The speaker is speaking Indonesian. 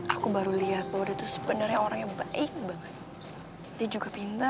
aku baru lihat bahwa dia tuh sebenarnya orang yang baik banget